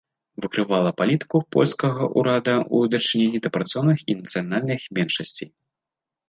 Выкрывала палітыку польскага ўрада ў дачыненні да працоўных і нацыянальных меншасцей.